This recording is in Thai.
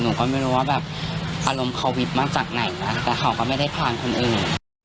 หนูก็ไม่รู้ว่าแบบอารมณ์โควิดมากจากไหนนะแต่เขาก็ไม่ได้พลานคนอื่น